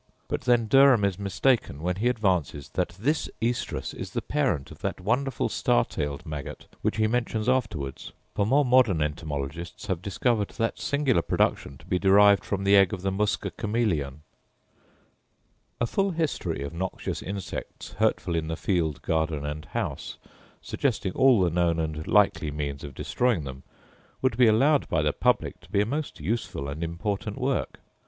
But then Derham is mistaken when he advances that this oestrus is the parent of that wonderful star tailed maggot which he mentions afterwards; for more modern entomologists have discovered that singular production to be derived from the egg of the musca chamaeleon: see Geoffrey, t. 17, f. 4. A full history of noxious insects hurtful in the field, garden, and house, suggesting all the known and likely means of destroying them, would be allowed by the public to be a most useful and important work.